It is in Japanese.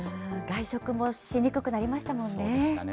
外食もしにくくなりましたもんね。